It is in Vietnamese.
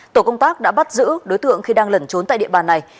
tổ công tác đã bắt giữ đối tượng khi đang lẩn trốn tại địa bàn này